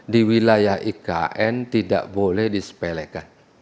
di wilayah ikn tidak boleh disepelekan